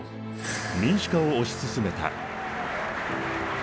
民主化を推し進めた。